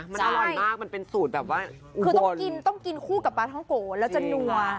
มันอร่อยมากมันเป็นสูตรแบบว่าคือต้องกินต้องกินคู่กับปลาท้องโกะแล้วจะนัว